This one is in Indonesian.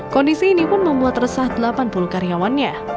kondisi ini pun membuat resah delapan puluh karyawannya